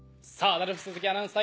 ラルフ鈴木アナウンサー